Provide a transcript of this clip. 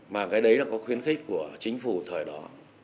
mà cái đấy là có khuyến khích của chính phủ thời đó